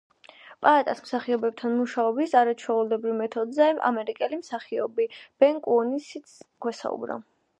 პაატას მსახიობებთან მუშაობის არაჩვეულებრივ მეთოდზე ამერიკელი მსახიობი – ბენ კუნისიც – გვესაუბრა.